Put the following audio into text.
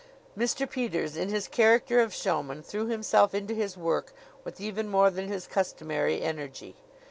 Mr. Peters, in his character of showman, threw himself into his work with even more than his customary energy.